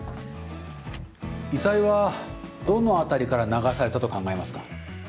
遺体はどの辺りから流されたと考えますか？